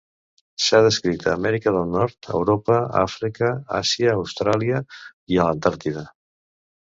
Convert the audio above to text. S'ha descrit a Amèrica del Nord, Europa, Àfrica, Àsia, Austràlia i a l'Antàrtida.